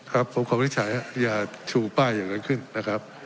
ผมขออนุญาตอย่าชูป้ายอย่างนั้นขึ้นนะครับ